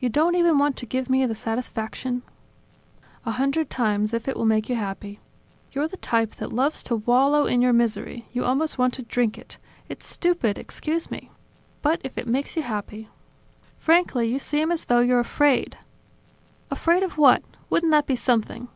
"You don't even want to give me the satisfaction ...?" "A hundred times, if it will make you happy. You're the type that loves to wallow in your misery, you almost want to drink it ... It's stupid, excuse me! ... But if it makes you happy ..." "Frankly, you seem as though you're afraid." "Afraid of what? Wouldn't that be something!"